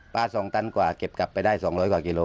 ๒ตันกว่าเก็บกลับไปได้๒๐๐กว่ากิโล